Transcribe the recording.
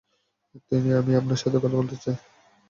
কিন্তু আমি আপনার সাথে কথা বলতে চাই।